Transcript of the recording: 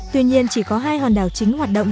tuy nhiên chỉ có hai hòn đảo chính hoạt động